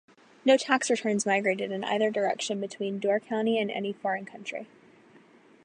No tax returns migrated in either direction between Door County and any foreign country.